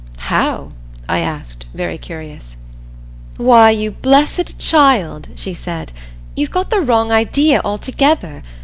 "How?" I asked, very curious. "'Why, you blessed child,' she said, 'you've got the wrong idea altogether.